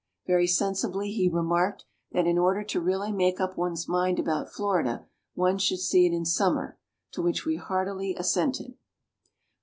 Very sensibly he remarked, that, in order to really make up one's mind about Florida, one should see it in summer; to which we heartily assented.